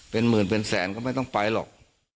เป็นหมื่นเป็นแสนก็ไม่ต้องไปหรอก